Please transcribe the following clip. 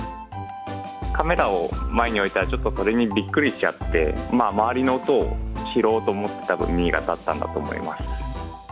カメラを前に置いたら、ちょっとそれにびっくりしちゃって、周りの音を拾おうと思って耳が立ったんだと思います。